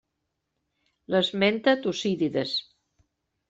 L'esmenta Tucídides.